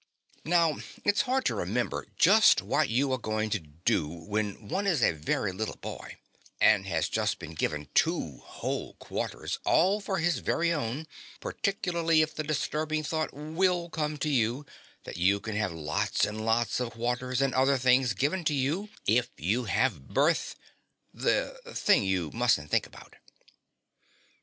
Now it's hard to remember just what you a going to do when one is a very little boy and has just been given two whole quarters all for his very own, particularly if the disturbing thought will come to you that you can have lots and lots of quarters and other things given to you if you have birth the thing you musn't think about.